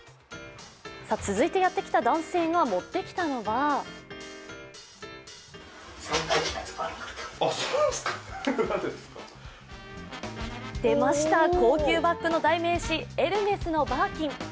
続いてやってきた男性が持ってきたのは出ました、高級バッグの代名詞・エルメスのバーキン。